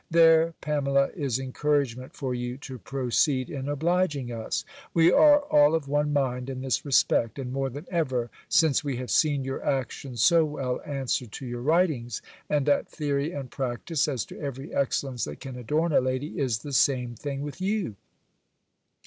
There, Pamela, is encouragement for you to proceed in obliging us. We are all of one mind in this respect; and more than ever, since we have seen your actions so well answered to your writings; and that theory and practice, as to every excellence that can adorn a lady, is the same thing with you.